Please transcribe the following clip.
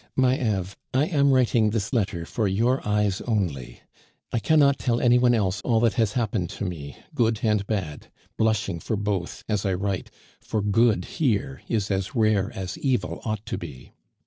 "My Eve, I am writing this letter for your eyes only. I cannot tell any one else all that has happened to me, good and bad, blushing for both, as I write, for good here is as rare as evil ought to be.